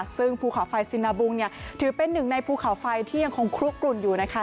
ซึ่งภูเขาไฟซินาบุงเนี่ยถือเป็นหนึ่งในภูเขาไฟที่ยังคงคลุกกลุ่นอยู่นะคะ